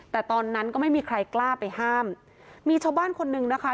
แต่ตอนนั้นก็ไม่มีใครกล้าไปห้ามมีชาวบ้านคนนึงนะคะ